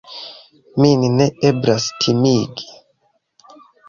Min ne eblas timigi.